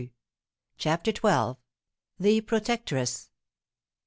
CHAPTER XII. THE PROTECTRESS.